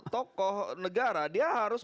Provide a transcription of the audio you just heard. tokoh negara dia harus